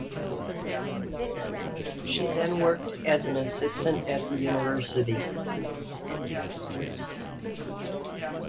She then worked as an assistant at the university.